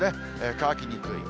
乾きにくい。